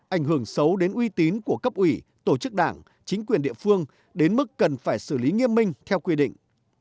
ảnh hưởng xấu đến uy tín của cấp ủy tổ chức đảng chính quyền địa phương đến mức cần phải xử lý nghiêm minh theo quy định